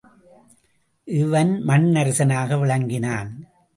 இவன் மண்ணரசனாக விளங்கினான்.